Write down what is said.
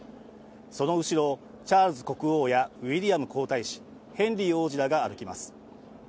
その後ろをチャールズ国王やウィリアム皇太子、ヘンリー王子らが歩きます。